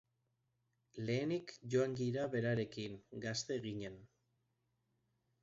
Lehenik joan gira berarekin, gazte ginen.